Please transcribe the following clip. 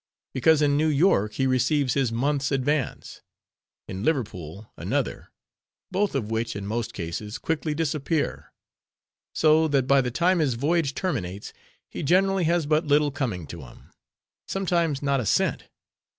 Because, in New York he receives his month's advance; in Liverpool, another; both of which, in most cases, quickly disappear; so that by the time his voyage terminates, he generally has but little coming to him; sometimes not a cent.